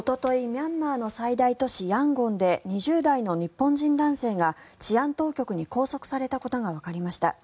ミャンマーの最大都市ヤンゴンで２０代の日本人男性が治安当局に拘束されたことがわかりました。